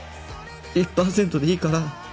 １％ でいいから